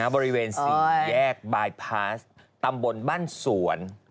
บริเวณ๔แยกบายพาสตำบลบ้านสวน